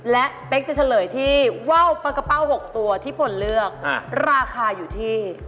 และเป๊กจะเฉลยที่ว่าวปลากระเป้า๖ตัวที่พลเลือกราคาอยู่ที่